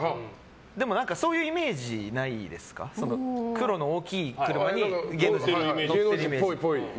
でもそういうイメージないですか黒の大きい車に芸能人はみたいな。